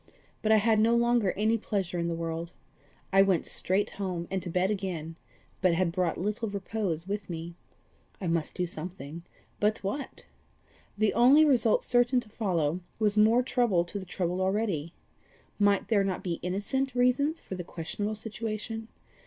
But I had no longer any pleasure in the world. I went straight home, and to bed again but had brought little repose with me: I must do something but what? The only result certain to follow, was more trouble to the troubled already. Might there not be innocent reasons for the questionable situation?